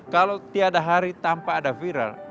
kalau tiada hari tanpa ada viral